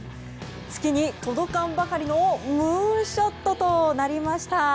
月に届かんばかりのムーンショットとなりました。